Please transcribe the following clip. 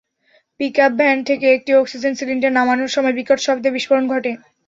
Pickup van থেকে একটি oxygen cylinder নামানোর সময় বিকট শব্দে বিস্ফোরণ ঘটে।